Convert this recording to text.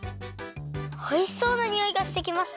おいしそうなにおいがしてきました。